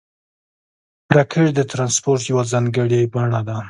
راکټ د ترانسپورټ یوه ځانګړې بڼه ده